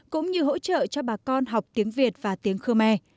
cũng như hỗ trợ cho bà con học tiếng việt và tiếng khmer